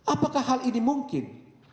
apakah hal ini mungkin